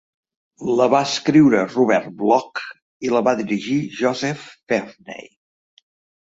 La va escriure Robert Bloch i la va dirigir Joseph Pevney.